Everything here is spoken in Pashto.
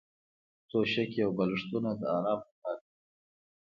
توشکې او بالښتونه د ارام لپاره دي.